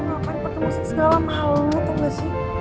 lu ngapain pertemuan segala malu tau gak sih